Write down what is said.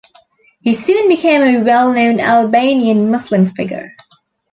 He soon became a well-known Albanian Muslim figure.